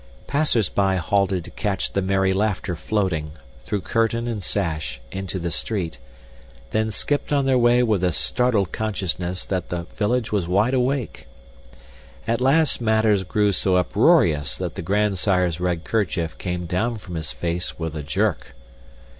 Passersby halted to catch the merry laughter floating, through curtain and sash, into the street, then skipped on their way with a startled consciousness that the village was wide awake. At last matters grew so uproarious that the grandsire's red kerchief came down from his face with a jerk.